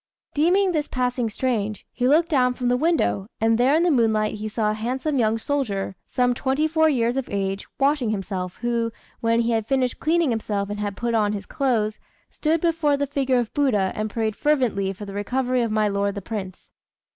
Deeming this passing strange, he looked down from the window; and there in the moonlight he saw a handsome young soldier, some twenty four years of age, washing himself, who, when he had finished cleaning himself and had put on his clothes, stood before the figure of Buddha and prayed fervently for the recovery of my lord the Prince.